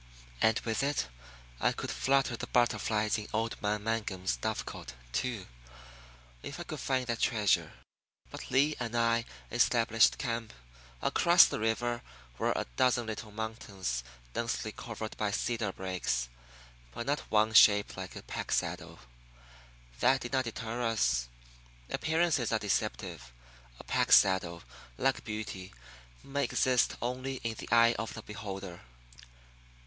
And with it I could flutter the butterflies in old man Mangum's dovecot, too. If I could find that treasure! But Lee and I established camp. Across the river were a dozen little mountains densely covered by cedar brakes, but not one shaped like a pack saddle. That did not deter us. Appearances are deceptive. A pack saddle, like beauty, may exist only in the eye of the beholder.